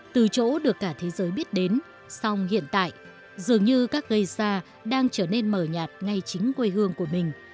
từ chỗ được cả thế giới biết đến song hiện tại dường như các gây ra đang trở nên mờ nhạt ngay chính quê hương của mình